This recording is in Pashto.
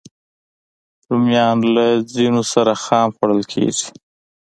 رومیان له ځینو سره خام خوړل کېږي